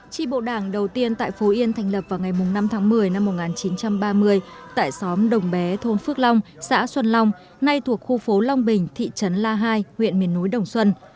tri bộ đảng đầu tiên tại phú yên thành lập vào ngày năm tháng một mươi năm một nghìn chín trăm ba mươi tại xóm đồng bé thôn phước long xã xuân long nay thuộc khu phố long bình thị trấn la hai huyện miền núi đồng xuân